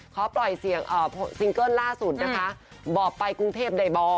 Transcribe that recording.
เขาปล่อยซิงเกิ้ลล่าสุดนะคะบอกไปกรุงเทพเดย์บ๋อ